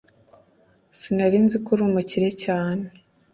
Sinari nzi ko uri umukire cyane